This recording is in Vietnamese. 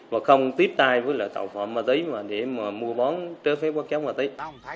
và không tiếp tay với tàu phạm ma túy để mua bón trợ phép qua chống ma túy